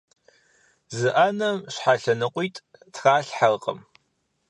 Зы Ӏэнэм щхьэ лъэныкъуитӀ тралъхьэркъым.